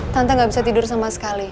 tante gak bisa tidur sama sekali